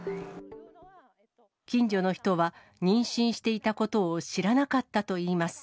近所の人は、妊娠していたことを知らなかったといいます。